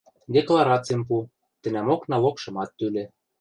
Декларацим пу, тӹнӓмок налогшымат тӱлӹ.